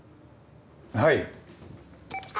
はい。